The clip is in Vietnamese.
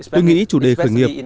tôi nghĩ chủ đề khởi nghiệp